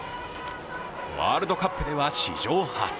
ワールドカップでは史上初。